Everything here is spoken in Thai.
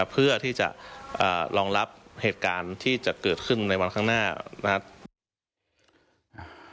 เพื่อที่จะรองรับเหตุการณ์ที่จะเกิดขึ้นในวันข้างหน้านะครับ